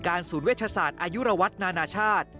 การศูนย์วิทยาศาสตร์อายุระวัตินานาชาติ